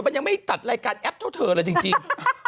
มันยังไม่ตัดรายการแอปเท่าเธอเลยจริง